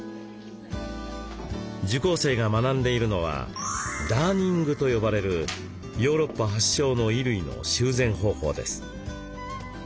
受講生が学んでいるのはダーニングと呼ばれるヨーロッパ発祥の衣類の修繕方法です。